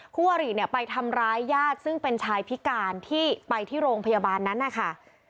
คู่อริเนี่ยไปทำร้ายญาติซึ่งเป็นชายพิการที่ไปที่โรงพยาบาลนั้นนะคะ